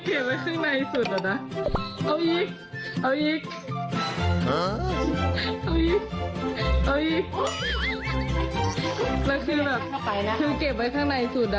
เอาของไปเก็บไว้ข้างในสุดหรอนะ